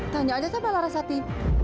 tanya aja sama larsati